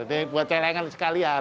jadi buat celengan sekalian